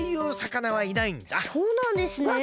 そうなんですね。